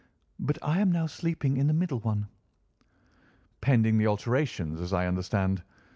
But I am now sleeping in the middle one." "Pending the alterations, as I understand.